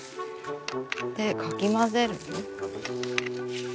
でかき混ぜる。